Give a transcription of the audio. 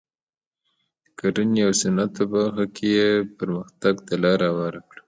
د کرنې او صنعت په برخه کې یې پرمختګ ته لار هواره کړه.